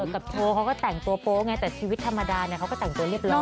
กับโชว์เขาก็แต่งตัวโป๊ไงแต่ชีวิตธรรมดาเนี่ยเขาก็แต่งตัวเรียบร้อย